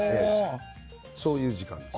そういう時間です。